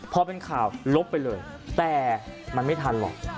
พอเป็นข่าวลบไปเลยแต่มันไม่ทันหรอก